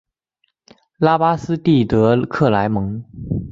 拉巴斯蒂德克莱蒙。